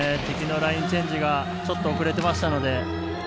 敵のラインチェンジがちょっと遅れていましたので。